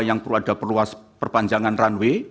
yang perlu ada perluas perpanjangan runway